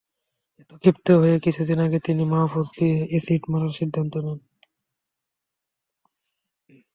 এতে ক্ষিপ্ত হয়ে কিছুদিন আগে তিনি মাহফুজাকে অ্যাসিড মারার সিদ্ধান্ত নেন।